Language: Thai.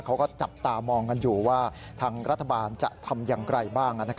เขาก็จับตามองกันอยู่ว่าทางรัฐบาลจะทำอย่างไรบ้าง